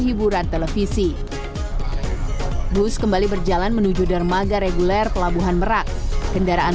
hiburan televisi bus kembali berjalan menuju dermaga reguler pelabuhan merak kendaraan